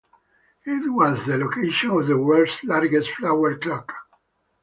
It was the location of the world's largest flower clock.